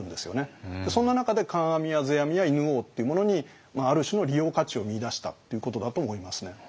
そんな中で観阿弥や世阿弥や犬王っていうものにある種の利用価値を見いだしたっていうことだと思いますね。